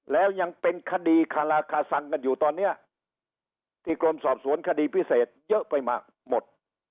แล้วยังเป็นคดีคาราคาซังกันอยู่ตอนนี้ที่กรมสอบสวนคดีพิเศษเยอะไปมากหมด